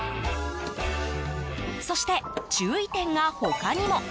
そして、注意点が他にも。